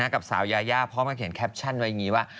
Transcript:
กับสาวยายาพร้อมมาเขียนแคปชั่นไว้อย่างนี้ว่า